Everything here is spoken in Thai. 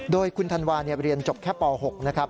โดยคุณธันวาเรียนจบแค่ป๖นะครับ